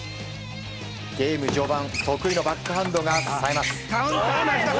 ゲーム序盤得意のバックハンドが冴えます。